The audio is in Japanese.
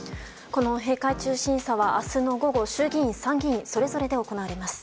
この閉会中審査は明日の午後、衆議院、参議院それぞれで行われます。